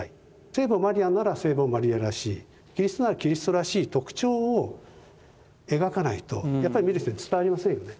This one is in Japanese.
聖母マリアなら聖母マリアらしいキリストならキリストらしい特徴を描かないとやっぱり見る人に伝わりませんよね。